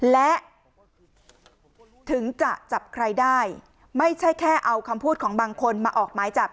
และถึงจะจับใครได้ไม่ใช่แค่เอาคำพูดของบางคนมาออกหมายจับ